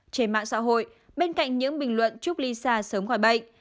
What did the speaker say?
trên mạng xã hội bên cạnh những bình luận chúc lisa sớm khỏi bệnh